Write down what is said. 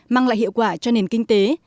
mang lại hiệu quả cho nền kinh tế